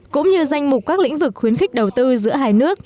cũng như danh mục các lĩnh vực khuyến khích đầu tư giữa hai nước